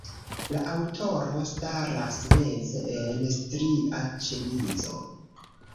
La aŭtoro staras meze, en stria ĉemizo.